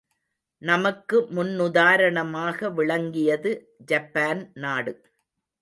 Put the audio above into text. நமக்கு முன்னுதாரணமாக விளங்கியது ஜப்பான் நாடு.